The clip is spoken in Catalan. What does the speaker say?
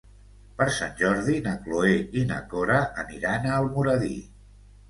Per Sant Jordi na Cloè i na Cora aniran a Almoradí.